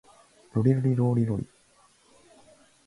ロリロリローリロリ